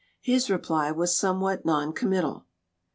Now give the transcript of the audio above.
His reply was somewhat non committal.